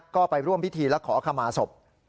ก็ไปร่วมพิธีแล้วขอเขามาสบ